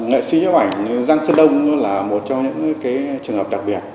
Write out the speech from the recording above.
nghệ sĩ giáo ảnh giang sơn đồng là một trong những trường hợp đặc biệt